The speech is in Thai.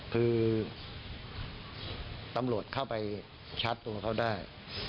คือตำรวจเข้าไปชาร์จตัวเขาได้